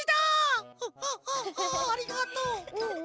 ああありがとう。